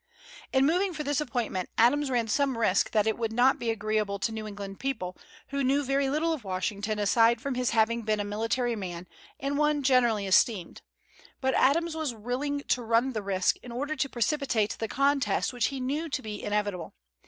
In moving for this appointment, Adams ran some risk that it would not be agreeable to New England people, who knew very little of Washington aside from his having been a military man, and one generally esteemed; but Adams was willing to run the risk in order to precipitate the contest which he knew to be inevitable.